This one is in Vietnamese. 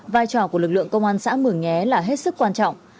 vai trò của lực lượng công an xã mường nhé là hết sức quan trọng